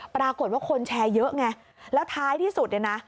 ปรากฏว่าคนแชร์เยอะไงแล้วท้ายที่สุดเนี่ยนะ